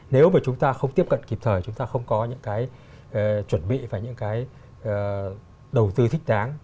nếu mà chúng ta không tiếp cận kịp thời chúng ta không có những cái chuẩn bị và những cái đầu tư thích đáng